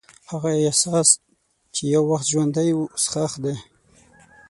هغه احساس چې یو وخت ژوندی و، اوس ښخ دی.